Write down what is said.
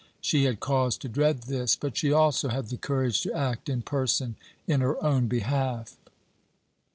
She had cause to dread this, but she also had the courage to act in person in her own behalf.